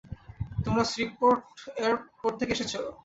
তোমরা শ্রীবপোর্ট থেকে এসেছ?